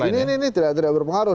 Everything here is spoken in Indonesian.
tapi ini tidak berpengaruh